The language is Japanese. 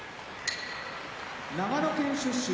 長野県出身